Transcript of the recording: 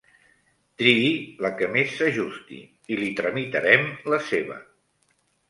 Triï la que més s'ajusti i li tramitarem la seva.